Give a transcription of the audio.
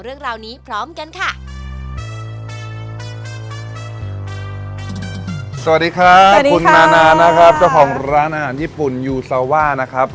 เจ้าของร้านอาหารญี่ปุ่นยูซาว่านะครับ